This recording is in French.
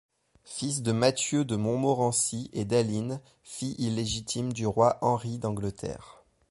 Fils de Mathieu de Montmorency et d'Aline, fille illégitime du Roi Henri d'Angleterre.